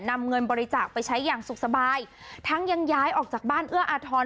นำเงินบริจาคไปใช้อย่างสุขสบายทั้งยังย้ายออกจากบ้านเอื้ออาทร